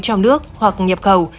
trong nước hoặc nhập khẩu